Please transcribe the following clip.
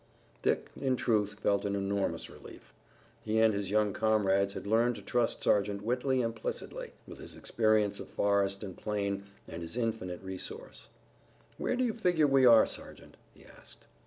Dick, in truth, felt an enormous relief. He and his young comrades had learned to trust Sergeant Whitley implicitly, with his experience of forest and plain and his infinite resource. "Where do you figure we are, Sergeant?" he asked.